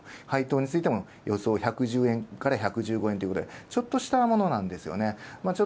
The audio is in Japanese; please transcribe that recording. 配当についても予想、１１０円から１１５円ということで、ちょっとしたものなんですね。